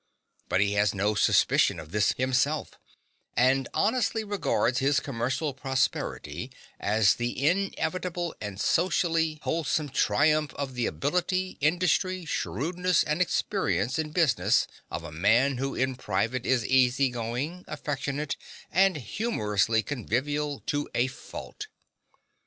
But he has no suspicion of this himself, and honestly regards his commercial prosperity as the inevitable and socially wholesome triumph of the ability, industry, shrewdness and experience in business of a man who in private is easygoing, affectionate and humorously convivial to a fault.